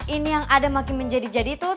ini yang ada makin menjadi jadi tuh